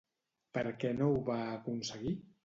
Per què no ho va aconseguir?